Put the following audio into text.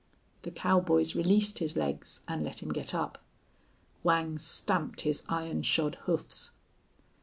The cowboys released his legs and let him get up. Whang stamped his iron shod hoofs.